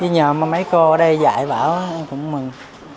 nhờ mấy cô ở đây dạy bảo em cũng mừng